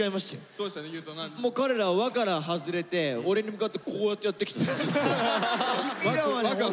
彼ら輪から外れて俺に向かってこうやってやってきてずっと。